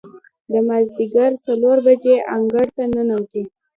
د مازدیګر څلور بجې انګړ ته ننوتو.